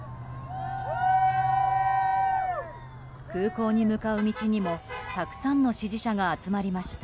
空港に向かう道にもたくさんの支持者が集まりました。